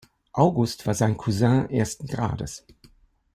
August war sein Cousin ersten Grades.